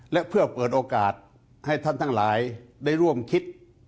และเพื่อเปิดโอกาสให้ท่านทั้งหลายได้ร่วมคิด